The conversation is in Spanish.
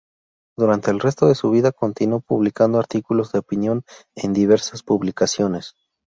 Durante el resto de su vida continuó publicando artículos de opinión en diversas publicaciones.